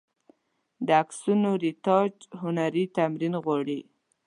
د عکسونو رېټاچ هنر تمرین غواړي.